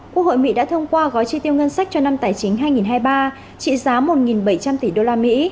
quốc hội mỹ đã thông qua gói chi tiêu ngân sách cho năm tài chính hai nghìn hai mươi ba trị giá một bảy trăm linh tỷ usd